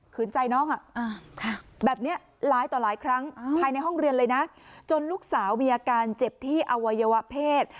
ใจน้องแบบนี้หลายต่อหลายครั้งภายในห้องเรียนเลยนะจนลูกสาวมีอาการเจ็บที่อวัยวะเพศ